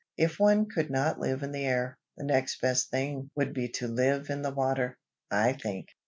If one could not live in the air, the next best thing would be to live in the water, I think.